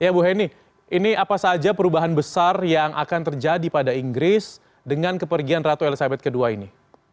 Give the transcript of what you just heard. ya bu heni ini apa saja perubahan besar yang akan terjadi pada inggris dengan kepergian ratu elizabeth ii ini